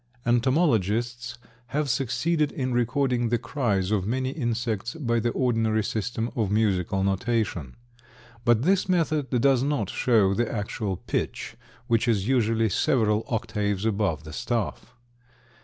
Entomologists have succeeded in recording the cries of many insects by the ordinary system of musical notation. But this method does not show the actual pitch, which is usually several octaves above the staff.